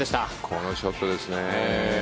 このショットですね。